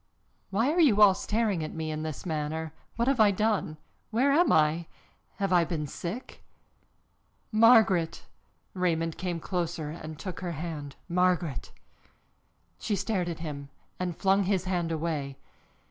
Why are you all staring at me in this manner? What have I done? Where am I? Have I been sick?" "Margaret!" Raymond came closer and took her hand. "Margaret!" She stared at him and flung his hand away.